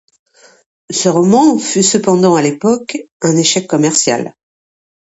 Ce roman fut cependant à l'époque un échec commercial.